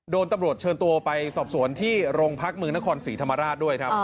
โดนตำรวจเชิญตัวไปสอบสวนที่โรงพักเมืองนครศรีธรรมราชด้วยครับ